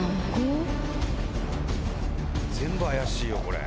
全部怪しいよこれ。